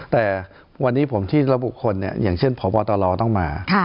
แต่วันนี้ผมที่ระบุคนอย่างเช่นพบตรต้องมา